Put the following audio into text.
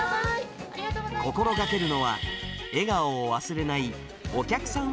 心がけるのは、笑顔を忘れないお客さん